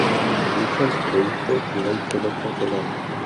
Dicho anteproyecto de Ley quedó congelado.